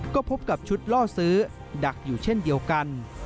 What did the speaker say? ก็พบกับชุดล่อซื้อดักอยู่เช่นเดียวกัน